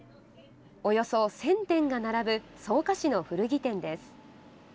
およそ１０００点が並ぶ草加市の古着店です。